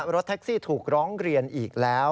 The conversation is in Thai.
รถแท็กซี่ถูกร้องเรียนอีกแล้ว